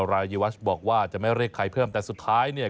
รายวัชบอกว่าจะไม่เรียกใครเพิ่มแต่สุดท้ายเนี่ย